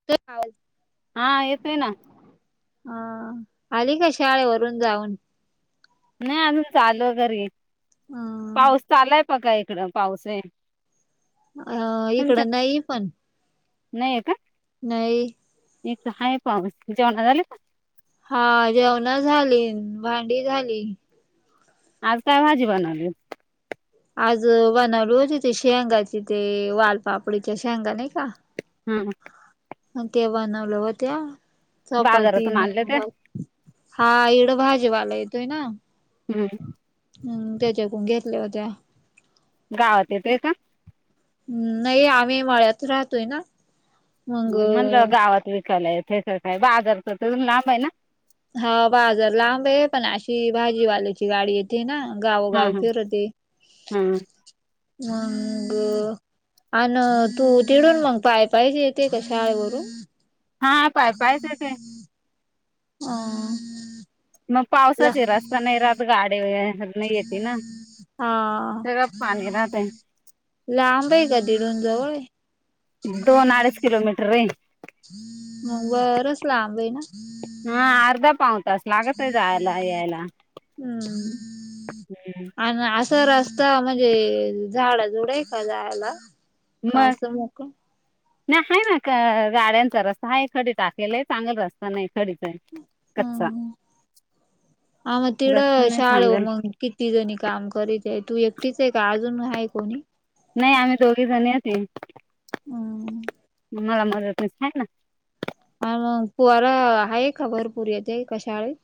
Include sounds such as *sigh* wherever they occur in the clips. - तोय का आवाज हा येतय ना. अं आली का शाळेवरून जाऊन? नाही अजून चाललो घरी हम पाऊस चालायं बका इकडं पाऊसयें अं इकडं नाहीयं पण. नाहीयें का? नायी एक आहे पण जेवणं झाली का? हा जेवण झाली, भांडी झाली आज काय भाजी बनवली? आज बनवली होती ते शेंगाची ते वालपापडीच्या शेंगा नाही का? हम्. मग ते बनवले होत्या चपाती बाजारातून न आणले ते भाजी हा इकडं भाजीवाला येतोय ना हम् हम्म त्याच्याकडून घेतल्या होत्या. गावात येतय का? अं नाही आम्ही माळ्यात राहतोय ना. मग म्हणलं गावात विकायला येत्यात. काय बाजार तर लांब आहे ना. हां बाजर लांबेयं पण अशी भाजीवाल्याची गाडी ये ते नां हा गावोगावी हा फिरतेयं हा मगं आन् तू तिकडूंन मग पाय पायच येती का शाळेवरून? हां पाय पायच येते. आ मग पावसाचे रस्ता नाही राहत गाडी म्हणून हां सगळं पाणी राहतय लांबयेंका का दिडून जवळेयं? दोन अडीच किलोमीटर रें मग बरच लांबय नां. हां अर्धा पाऊण तास लागतं जायला यायला हम्म हम. आणि असा रस्ता म्हणजे झाड झुड हेंका जायाला. मं नाही आहे नां का गाड्यांचा रस्ता आहे खडी टाकलेला आहे चांगल रस्ता नाही खडीचेयं. हां आम् तीकड रस्ता नाही शाळेव सांगल मग् किती जणी काम करीतेयं तू एकटीचेयं का अजून हाय कुणी. नाही आम्ही दोघी जणी हैती. हम मला मदतनीस हाय नां आणि पोरां हायेका भरपुरी येतीयी का शाळेत?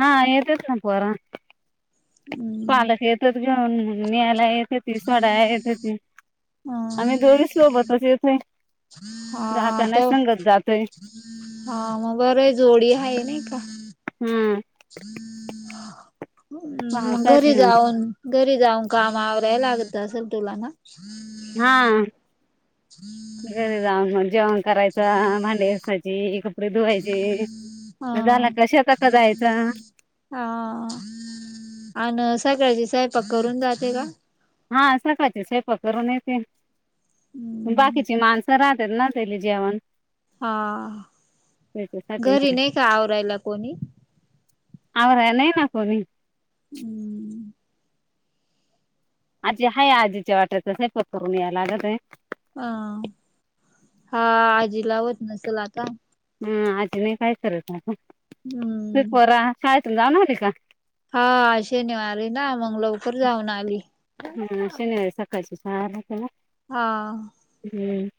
हां येतत ना पोरां. हम्म पालक येतत घेऊन मं नियला येतेती, सोडाय येतेती. आम्ही दोन्हीच सोबत येत नाय. हां तव जातोय हां मग बंर जोडीहाय नायी का हुं *unintelligible* मगं पावसाची घरी जाऊन- घरी जाऊन काम आवराय लागत असेलं तुला नां. हां घरी जाऊन मग जेवण करायचं भांडे घासा ते कपडे धुवायचे हा मं झाला क शेतात जायचा. हां अन् सकाळची सयपाक करून जाते का? हां सकाळचे स्वैपाकं करून येते हम्म बाकीची माण स राहतेत नां तेली जेवण हां त्याच्यासाठी घरी नाहीकां आवरायला कोणी? आवराय नाही न कोणी हम्म आजी हाय आजीच्या वाटच स्वयंपाक करून यायला लागतय आ हा आजीला होत नसेल आता हम्म आजी नाय काय करत आ ह हुं ते पोरां शाळेतून जाउन आले का हां आज शेनिवार नां मग लवकर जाऊन आली. हुं शनिवारी सकाळची शाळा राहती नां हां हम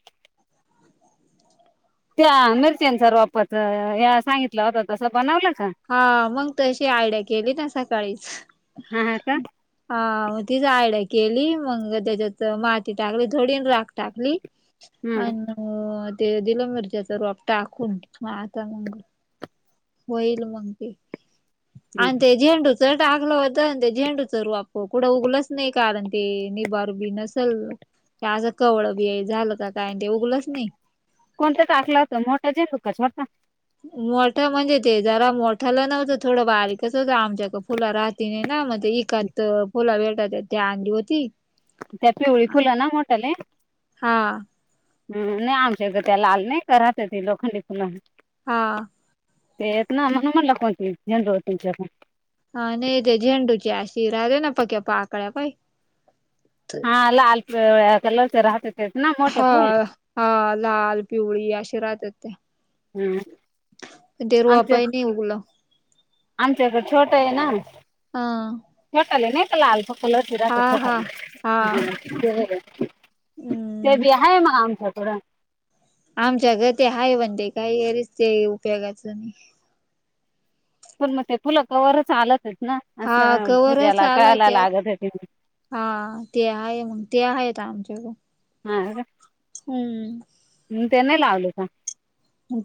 त्या मिरच्यांच रोपचं यां सांगितलं होत तसं बनवलं का? हां मगं तशी आयडिया केली नां सकाळीच. हा हा का हां म तीच आयड्या केली मगं त्याच्यात माती टाकली आन राख. टाकली हम्म अन् हों ते दिलं मिरच्याच रोप टाकून मग आता मंग होईल मगं ते आणि हम्म ते झेंडूच टाकलं होत तें झेंडूच रौप कुठं उगलच नाही कारण ते निबारू बिनस चल हे अस कवळं बी झालं का काय ते उगवलच नाही. कोणत्या तर टाकला असेल मोठा जेंडु कशा वर मोठं म्हणजे ते जरा मोठ्याला नव्हतं थोडं बारीकच होतं आमच्या एक फुला राहती नाही ना मग ते एकात फुल वेटाळतात त्या अंडी होती. त्यात पिवळी फुलं ना मोठाले. हा. हम् नाही आमच त्या लाल नाही का राहत्यात लोखंडी फुल. हा. ते इतना म्हणुन म्हणटल कोेणती झेंडू आहेत तुमच्या हा नाही ते झेंडूच्या अशी रावे न पक्या पाकळ्या पाही हा लाल कलर् च राहत्यात. तेच न मग ह हा लाल पिवळी अशी राहत्यात त्या. हम्म देरू वाय नाही उ बोला. आमच्या इकड छोट आहे ना हा छोट ल नाही का लाल फक्त ल पिरा हा कठ हा खली. हा हम्म. ते बि हाय मग आमच्या कड आमच्या घर ते हाय म्हणते काही घरीच ते उपयोगाचं नाही. पुन्हा ते फुल कवार च चालत नाहीत ना हा असं कवरच पूजेला आला कायला त्यात लागत आहे. हा ते आहे मग ते आहेेत आमच्याकड हा. हम्म. हम् ते नाही लावल का.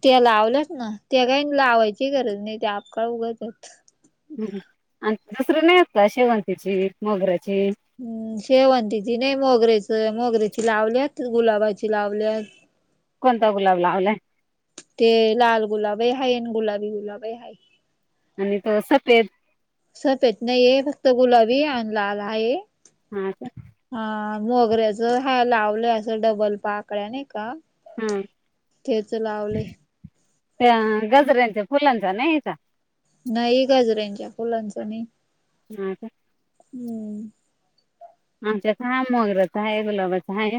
ते लावलस न ते काय लावायची गरज नाही आक्खा ह आणि दसर्यला येतात शेवंतीची मोगर्याची हम्म शेवंतीची नाही मोगरेच मोगर्याची लावल्यात गुलाबाची लावल्यात. कोणता गुलाब लावलाय. ते लाल गुलाबे हाय अन गुलाबी गुलाब हाय. आणि तो सफेद. सप येत नाहीय फक्त गुलाबी आणला आला आहे. हा हा मोगऱ्याच हा लावलं असं डबल पाकड्या नाही का. हम तेच लावलंय त्या गजऱ्यांचा फुलांचा नाहाय का. नाही गाजरच्या फुलांचा नाही. हा का. हम्म. आमच्यात हाय मोगर्याचा हाय गुलाबाचा हाय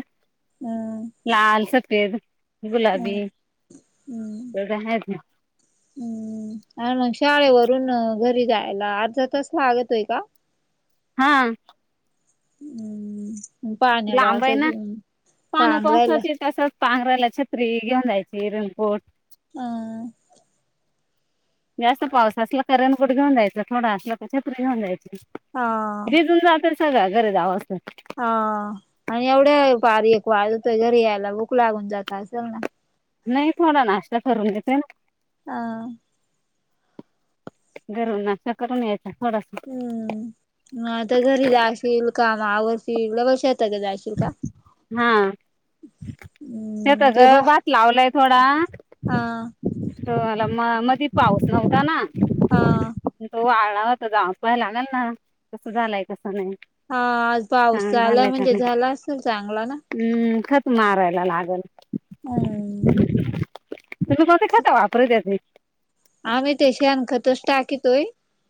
लाल सफेद. म गुलाबी हम्म. एवढे आहेत ना हम्म आण शाळेवरून घरी जायला अर्धा तास लागतोय का. हा. हम्म पाण्या लांब आहे बावसा ना पाण्या चांगल हाय न. पावसाची तसंच पांघरायला छत्री घेऊन जायच रेनकोट. अ. जास्त पाऊस असला कारण रेनकोट घेऊन जायच थोडा असला छत्री घेऊन जायची. हा. भिजून जातील सगळ्या घरी जाऊसतर. हा आणि एवढे बारीक वाळूत वैगरे यायला बुक लागून जात असेल ना नाही थोडा नाश्ता करून घेते ना हा घरून नाष्टा करून यायचा थोडासा हम्म. मग आता घरी जाशील कामावर लगेच शेतावर जाशील का? शेत हम्म ग ते बा भात लावलाय थोडा. हा त मला म मध्ये पाऊस नव्हता ना. हा तो वालाता जाऊ पाय लागल ना कसं झालंय कसं नाही. हा पाऊस झाला झालाय का म्हणजे नाही झाला असेल चांगला ना. हम्म खत मारायला लागल. हम्म. तुझ म खातता वापर द आम्ही तेशीशानखतच टाकितोय.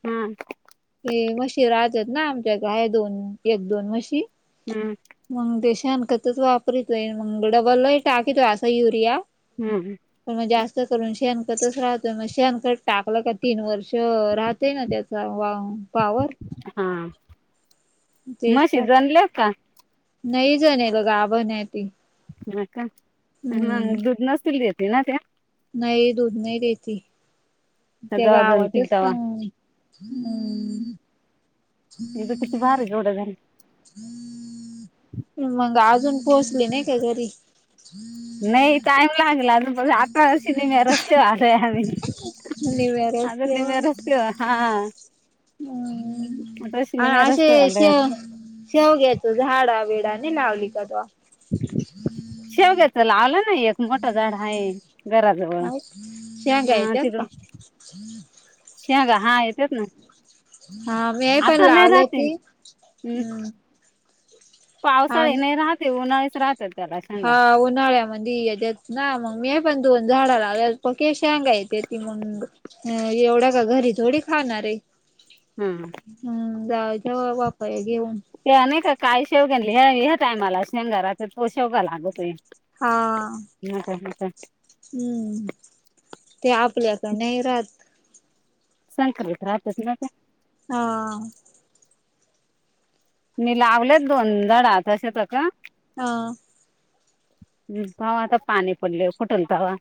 हम् हे मशीराहतत ना आमच्या का आहे दोन एक दोन मशी हम्म मग ते शणखतच वापरतय मग डबलला टाकितोय असा युरिया. हम् ह पण मग जास्त करून शेणकतच राहतोय मग शेणकत टाकलं का तीन वर्ष. राहतय ना त्याचा वा पवर हा तेच मशी टाक जणल हो का? नाही जण ब गाब ण हाय ती अका दुध न हम्म देत नसतील ना त्या नाही दूध नाही देेत. त्या जेव्हा जणतील गावातच तेव्हा अ हम् म तर तिती भारी जोड झाली. मग अजून पोहचले नाही का घरी. नाही टाईम लागला अजून आता सिनेम रस्ते वालय आम्ही वर अस अजून निम्या रस्त्यावर हा अस आता अशी निम्या अस रस्त्यावर स आलोय शेव घ्याेतो झाडा बिडा आणि लावली कावा शेवग्याच ला आला ना एक मोठा झाड आहे. घराजवळ आ शेग याच्या पा शिहगा हा येतच ना हा मी पण आता नाही लावलं राहते ती हम्म, हम् पावसाळी नाही राहते उन्हाळेच राहतात. त्याला शेंगा हा उन्हाळ्या म्हणजे येतात ना, मग मी पण दोन झाडा लावल्या, *unintelligible* शांगा येते ती मग अ एवढ्या का घरी थोडी खाणार आहे हम्म हम् जायच्या बापया घेऊन. ते अने का काय शेवग्या टायमाला शेंगारा तो शेवगा लागतोय. हा ह का ह काय? हम्म ते आपल्याकडन राहात. शंकर ब राहतच ना का? हा मी लावलेत दोनदाड तश त क हा हम् पावा आता पाणी पडले फुटल पावा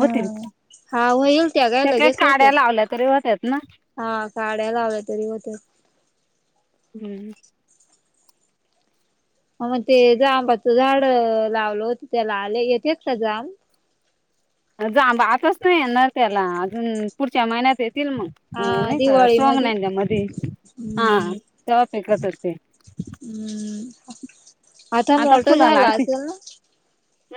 होतील हा होईल त्या काय ते काही लगेच काड्या होत्यात लावल्या तरी होत्याात ना. हा काड्या लावल्या तरी होत. *inaudible* अहं ते जांबाचं झाड लावलं होत त्याला आले येतेत का जांब जांबा *unintelligible* नाही ना त्याला अजून पुढच्या महिन्यात येतील मग. हो हा नाही का दिवाळी सोंग मधी नाही त्या मध्ये हा हम्म तेव्हा पीकत होते. हम्म आता मोठा फुला झाला लागतील असेल ना.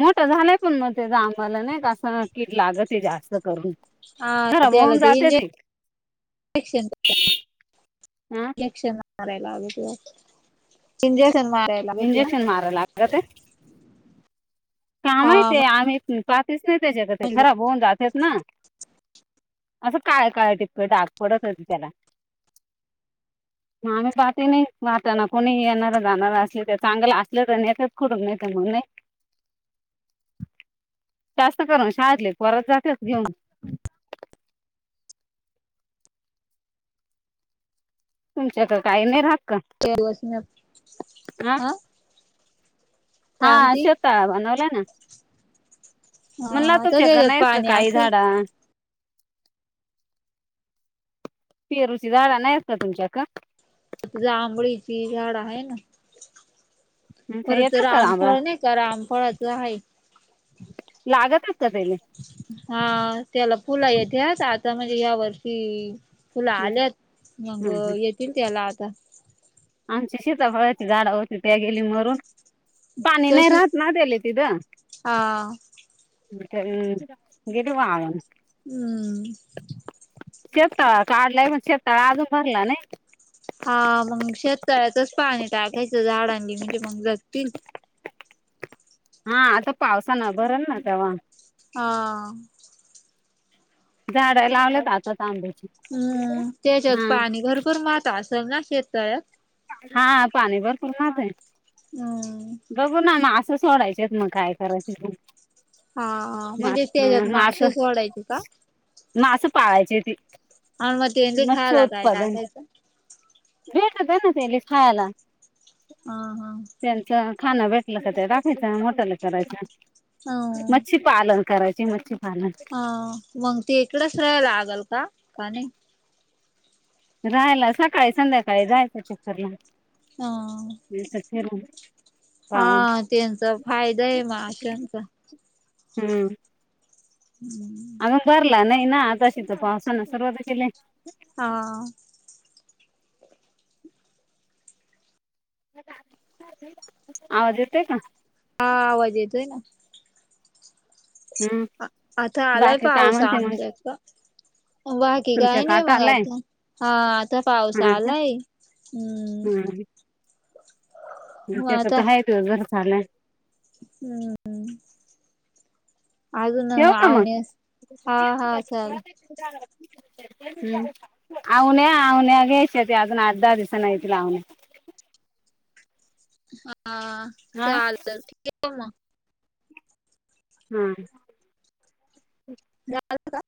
मोठं झालंय पण मग ते जांभळाला नाही का असं कीड लागते जास्त करून हा खराब तेला होऊन ते जाते ती इंजेक्शन हा इंजेक्शन माराय लागतं इंजेक्शन माराय. इंजेक्शन माराय लागतंय का माहित हा आहे आम्ही *unintelligible* नाही त्याच्यात ते खराब होऊन जातेत ना असं काळ काळ टिपक डाग पडत होती त्याला मग आम्ही जात नाही म जाताना कोणी येणारा जाणारा असले तर चांगला असले तर न्हेतात खुडून नाही तर म नाही जास्त करून शाळेतले पोरच जात्यात घेऊन तुमच्याकड काही नाही राहत का हा *unintelligible* आं हा श्वेता बोला ना अ म्हणल तर तुमच्याकड त्याच्यात नाही आहेत का पाणी काही असेल झाड पेरुची झाडं नाही आहेत काय तुमच्याकड जांभळीची झाड आहे ना परत येतात का आंबळा रामफळ नाही का रामफळाच आहे लागत असता त्याले हो त्याला फुलं येत्यात आता म्हणजे या वर्षी फुलं हं, आल्यात मंग हं, हं. येतील त्याला आता आमची सीताफळाची झाडं होती त्या गेली मरून पाणी नाही कशी राहत ना त्याले तिथं हा *unintelligible* हम्म शेतफाळा काढलाय पण शेतफाळा अजून भरलेला नाही हा मंग शेततळ्याचचं पाणी टाकायचं झाडांनी म्हणजे मंग जगतील हा आता पावसान भरल ना तवा हा झाडं लावल्यात आताच आंब्याची हम्म त्याच्यात हा पाणी भरपूर म आता असेल ना शेततळ्यात हा पाणी भरपूर मावतंय. हम्म. बघू ना म असं सोडायचेत मग काय करायचं ते. हा मा म्हणजे त्याच्यात मास मासे सोडायचे का. मास पाळायचेय तीत. हा म तेनंले खायाला काय टाकायचं *unintelligible* दे ना तेनले खायाला अ हा त्यांच खाण भेटलं तर त्या *unintelligible* मटण करायचं ह मच्छि पालन करायचे मच्छीपालन ह मंग ते इकडेच राहायला लागल का का नाही. राहायला सकाळी संध्याकाळी जायचं चक्करला हा. *unintelligible* पाहून हा त्यांचा फायदा आहे म अशांचा हम्म हम् अजून भरला नाही ना आताशी चा फाॅम पावसान सर्व तर केलय हा आवाज येतोय का? हा आवाज येतोय ना हम्म आता आलाय बाकी काय पाऊस म्हणते मग आमच्या इथं बाकी तुमच्या काही का नाही आता मग आलाय आजून हा आता पाऊस हा का आलाय हम्म मग घरच्याचा तर हाय घर चालाय *unintelligible* हम् हम्म ठेऊ का म? आवण्यास हा हा चाल हं आवण्या आवण्या घ्यायच्या त्या अजून आठ दहा दिवसांनी येतील आवण्या. हा हा चालत ठेव म हं जाल का?